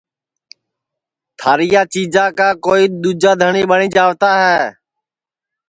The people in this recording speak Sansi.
تھاریا چیجا کا کوئی دؔوجا دھٹؔی ٻٹؔی جاوت ہے